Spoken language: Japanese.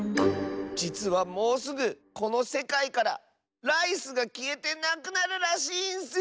じつはもうすぐこのせかいからライスがきえてなくなるらしいんッスよ！